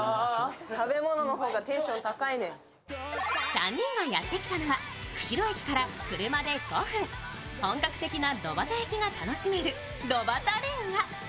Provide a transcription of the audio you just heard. ３人がやってきたのは釧路駅から車で５分、本格的な炉端焼きが楽しめる炉ばた煉瓦。